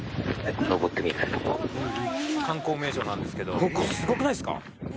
「観光名所なんですけどここすごくないですか？」